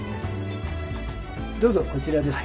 どうぞこちらです。